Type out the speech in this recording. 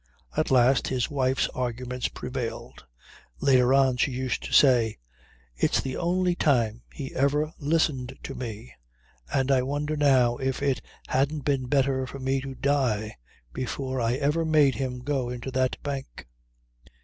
At last his wife's arguments prevailed. Later on she used to say: 'It's the only time he ever listened to me; and I wonder now if it hadn't been better for me to die before I ever made him go into that bank.'